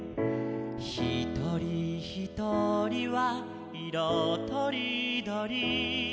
「ひとりひとりはいろとりどり」